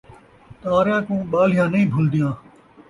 تاریاں کوں ٻالھیاں نئیں بھلدیاں